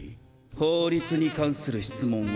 法律に関する質問は？